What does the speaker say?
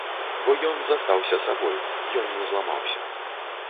Бо ён застаўся сабой, ён не зламаўся.